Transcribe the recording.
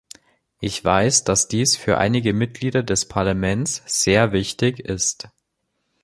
Ich weiß, dass dies für einige Mitglieder des Parlaments sehr wichtig ist.